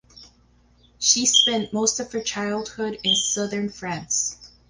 She spent most of her childhood in southern France.